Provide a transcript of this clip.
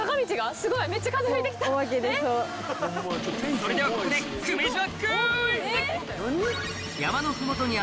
それではここで久米島クイズ！